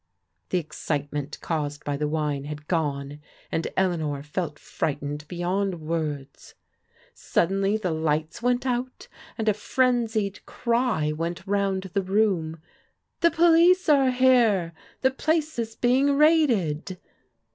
The excitement caused by the wine had gone, and Eleanor felt frightened beyond words. Suddenly the lights went out, and a frenzied cry went round the room. " The police are here! The place is being raided!"